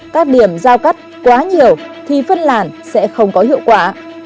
các điểm giao cắt quá nhiều thì phân làn sẽ không có hiệu quả